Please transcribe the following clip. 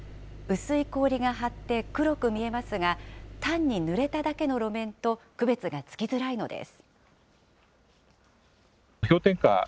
薄い氷が張って黒く見えますが、単にぬれただけの路面と区別がつきづらいのです。